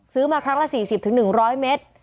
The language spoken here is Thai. มาครั้งละ๔๐๑๐๐เมตร